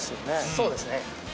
そうですね。